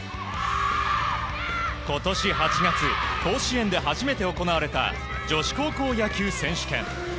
今年８月甲子園で初めて行われた女子高校野球選手権。